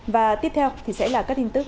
và tiếp theo thì sẽ là các tin tức